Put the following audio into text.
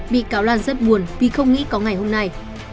bị cáo lan rất buồn vì không nghĩ có ngày hôm nay